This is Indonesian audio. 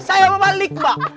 saya mau balik mbak